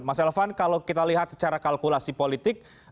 mas elvan kalau kita lihat secara kalkulasi politik